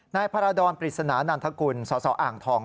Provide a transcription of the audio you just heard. นายพาราดรปริศนานันทกุลสสอ่างทอง